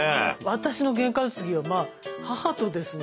私のゲンかつぎはまあ母とですね